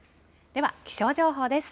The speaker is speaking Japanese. では、気象情報です。